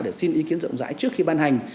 để xin ý kiến rộng rãi trước khi ban hành